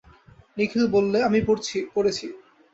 নিখিল বললে, আমি পড়েছি।